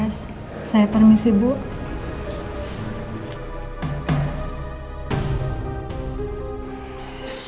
malah kita aval datang remarkable pey encima per ries